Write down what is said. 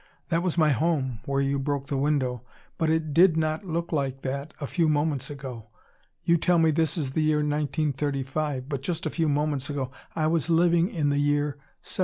That was my home, where you broke the window. But it did not look like that a few moments ago. You tell me this is the year 1935, but just a few moments ago I was living in the year 1777!"